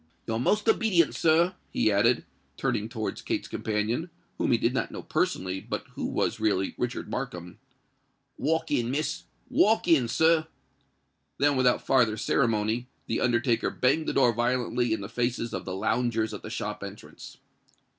Your most obedient, sir," he added, turning towards Kate's companion, whom he did not know personally, but who was really Richard Markham. "Walk in, Miss—walk in, sir." Then, without farther ceremony, the undertaker banged the door violently in the faces of the loungers at the shop entrance.